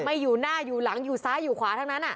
อยู่หน้าอยู่หลังอยู่ซ้ายอยู่ขวาทั้งนั้น